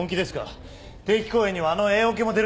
定期公演にはあのＡオケも出るんですよ。